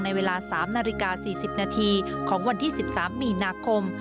เวลา๓นาฬิกา๔๐นาทีของวันที่๑๓มีนาคม